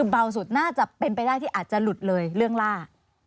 เบาสุดน่าจะเป็นไปได้ที่อาจจะหลุดเลยเรื่องล่า